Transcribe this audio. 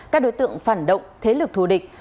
các đối tượng phản động thế lực thù địch